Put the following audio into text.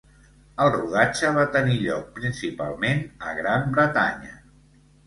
El rodatge va tenir lloc principalment a Gran Bretanya.